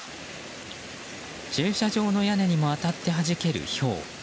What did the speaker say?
駐車場の屋根にも当たってはじける、ひょう。